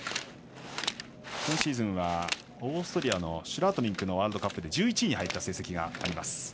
今シーズンは、オーストリアのワールドカップで１１位に入った成績があります。